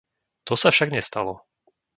To sa však nestalo.